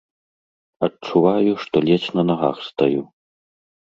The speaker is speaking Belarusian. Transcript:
Адчуваю, што ледзь на нагах стаю.